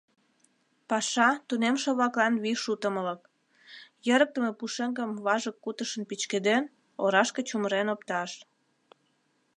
Паша — тунемше-влаклан вий шутымылык: йӧрыктымӧ пушеҥгым, важык кутышын пӱчкеден, орашке чумырен опташ.